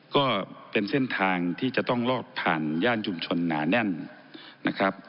ก็เป็นเส้นทางที่จะต้องลอดผ่านย่านชุมชนหนาแน่นนะครับ